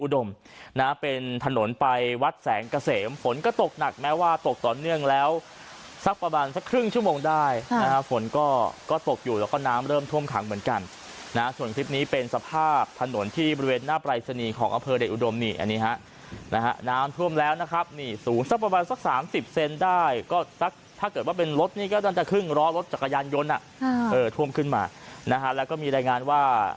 อุดมนะเป็นถนนไปวัดแสงเกษมฝนก็ตกหนักแม้ว่าตกต่อเนื่องแล้วสักประมาณสักครึ่งชั่วโมงได้ฝนก็ก็ตกอยู่แล้วก็น้ำเริ่มท่วมขังเหมือนกันนะส่วนคลิปนี้เป็นสภาพถนนที่บริเวณหน้าปลายสนีของอเภอเดชอุดมนี่อันนี้ฮะนะฮะน้ำท่วมแล้วนะครับนี่สูงสักประมาณสักสามสิบเซนได้ก็สักถ้าเกิดว